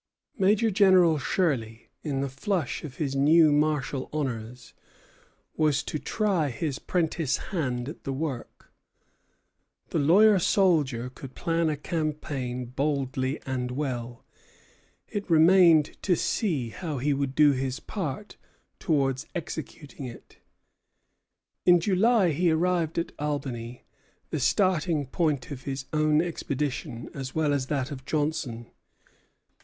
Major General Shirley, in the flush of his new martial honors, was to try his prentice hand at the work. The lawyer soldier could plan a campaign boldly and well. It remained to see how he would do his part towards executing it. In July he arrived at Albany, the starting point of his own expedition as well as that of Johnson.